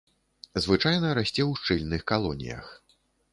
Звычайна расце ў шчыльных калоніях.